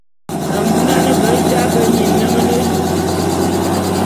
Mbunan ve jaé be minlem ne lut.